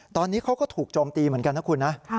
ตอนนี้เขาก็ถูกโจมตีเหมือนกันนะคุณนะ